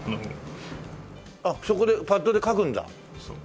あっそこでパッドで描くんだ。